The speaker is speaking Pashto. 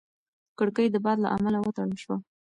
کړکۍ د باد له امله وتړل شوه.